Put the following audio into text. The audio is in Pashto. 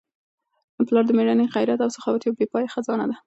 پلار د مېړانې، غیرت او سخاوت یوه بې پایه خزانه ده.